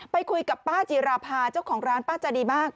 ไปคุยกับป้าจีราภาเจ้าของร้านป้าจะดีมาก